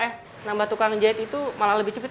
eh nambah tukang jahit itu malah lebih cepit